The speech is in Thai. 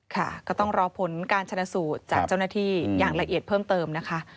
ค่ะก็ต้องรอผลการชนะสูตรจากเจ้าหน้าที่อย่างละเอียดเพิ่มเติมนะคะ